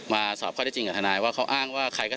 มาสอบเข้าได้จริงกับธนายภัยศาลก็